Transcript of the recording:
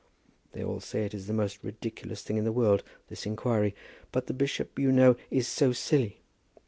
They all say it is the most ridiculous thing in all the world, this inquiry. But the bishop you know is so silly!